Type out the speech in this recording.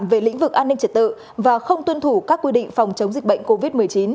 về lĩnh vực an ninh trật tự và không tuân thủ các quy định phòng chống dịch bệnh covid một mươi chín